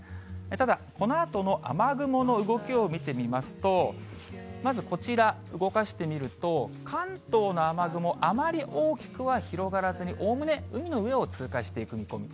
ただ、このあとの雨雲の動きを見てみますと、まずこちら、動かしてみると、関東の雨雲、あまり大きくは広がらずに、おおむね、海の上を通過していく見込み。